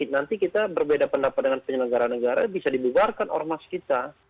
nanti kita berbeda pendapat dengan penyelenggara negara bisa dibubarkan ormas kita